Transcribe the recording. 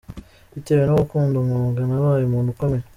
Bitewe no gukunda umwuga nabaye umuntu ukomeye”.